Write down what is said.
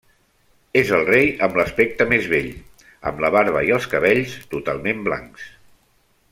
És el rei amb l'aspecte més vell, amb la barba i els cabells totalment blancs.